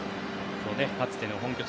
かつての本拠地